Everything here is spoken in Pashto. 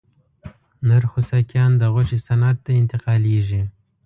نر خوسکایان د غوښې صنعت ته انتقالېږي.